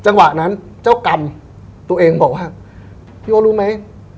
จังหวะนั้นเจ้ากรรมตัวเองบอกว่าพี่โอ๊ตรู้ไหม